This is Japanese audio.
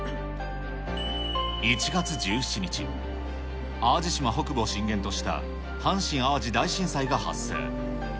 １月１７日、淡路島北部を震源とした阪神・淡路大震災が発生。